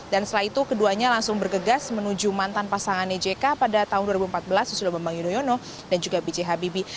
dan setelah itu keduanya langsung bergegas menuju mantan pasangannya jk pada tahun dua ribu empat belas yusuf dombang yudhoyono dan juga b c habibie